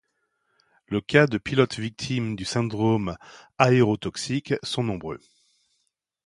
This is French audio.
Les cas de pilotes victimes du syndrome aérotoxique sont nombreux.